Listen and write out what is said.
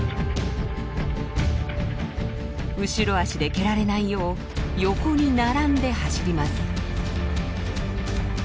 後ろ足で蹴られないよう横に並んで走ります。